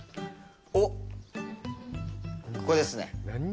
おっ、ここですね。